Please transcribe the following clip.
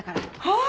あ！